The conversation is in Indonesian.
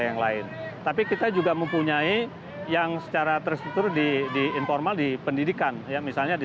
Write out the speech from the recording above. yang lain tapi kita juga mempunyai yang secara terstruktur di informal di pendidikan ya misalnya di